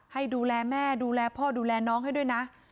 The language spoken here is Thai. ให้ดูแลแม่ดูแลพ่อดูแลน้องให้ด้วยนะ